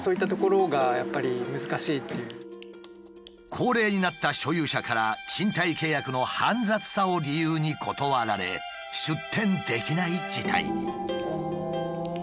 高齢になった所有者から賃貸契約の煩雑さを理由に断られ出店できない事態に。